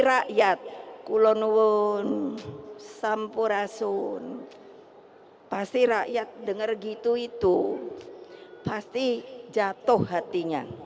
rakyat kulonwun sampurasun pasti rakyat dengar gitu itu pasti jatuh hatinya